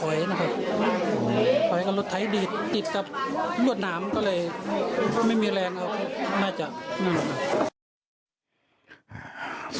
แล้วก็เลยไม่มีแรงเอามาจาก